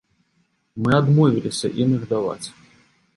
Мы адмовіліся ім іх даваць.